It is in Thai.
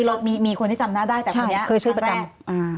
เรามีคนที่จำนัดได้คือชื่อประจำ